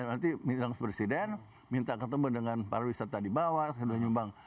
nanti minta presiden minta ketemu dengan para wisata di bawah saya sudah nyumbang